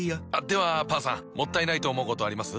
ではパンさんもったいないと思うことあります？